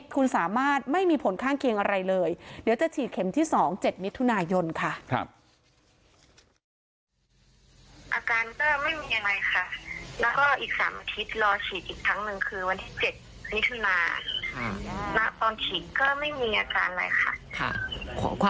คุณสามารถไม่มีผลข้างเคียงอะไรเลยเดี๋ยวจะฉีดเข็มที่๒๗มิถุนายนค่ะ